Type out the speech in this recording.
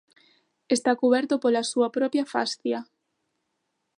Está cuberto pola súa propia fascia.